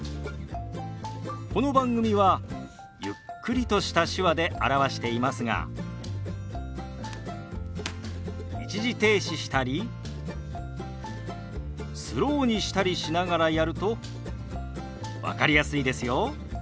この番組はゆっくりとした手話で表していますが一時停止したりスローにしたりしながらやると分かりやすいですよ。